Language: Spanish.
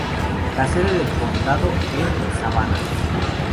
La sede del condado en Savannah.